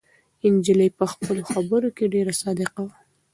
نجلۍ په خپلو خبرو کې ډېره صادقه وه.